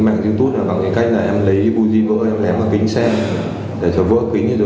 các đối tượng đã gây ra hàng loạt vụ đập kính xe ô tô để làm vỡ kính xe ô tô